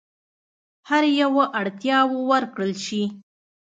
هر یوه اړتیاوو ورکړل شي.